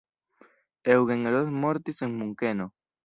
Eugen Roth mortis en Munkeno.